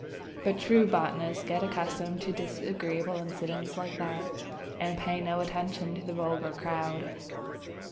But true botanists get accustomed to disagreeable incidents like that, and pay no attention to the vulgar crowd.